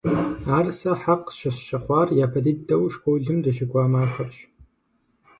Ар сэ хьэкъ щысщыхъуар япэ дыдэу школым дыщыкӀуа махуэрщ.